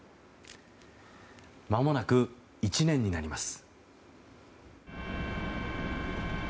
まもなく１年になります。